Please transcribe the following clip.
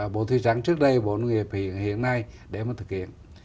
bộ thư sẵn trước đây bộ nông nghiệp hiện nay để mà thực hiện